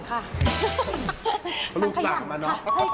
เพราะลูกสั่งมาเนอะ